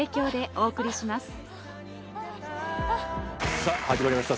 さぁ始まりました